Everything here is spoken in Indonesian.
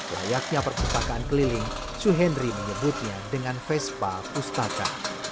layaknya perpustakaan keliling suhendri menyebutnya dengan vespa pustaka